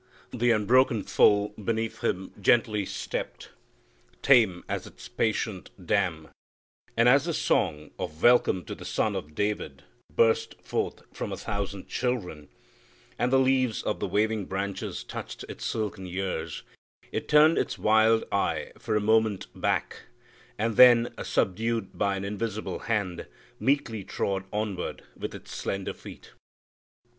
Th' unbroken foal beneath Him gently stepped, Tame as its patient dam; and as the song Of 'Welcome to the Son of David' burst Forth from a thousand children, and the leaves Of the waving branches touched its silken ears, It turned its wild eye for a moment back, And then, subdued by an invisible hand, Meekly trod onward with its slender feet.